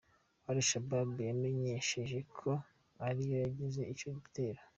Al-Shabab yamenyesheje ko ari yo yagize ico gitero.